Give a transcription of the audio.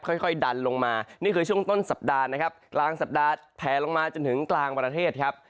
ค่อยดันลงมานี่คือช่วงต้นสัปดาห์นะครับกลางสัปดาห์แผลลงมาจนถึงกลางประเทศครับ